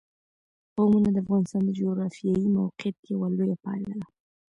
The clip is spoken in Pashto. قومونه د افغانستان د جغرافیایي موقیعت یوه لویه پایله ده.